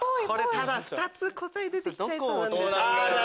ただ２つ答え出てきちゃいそう。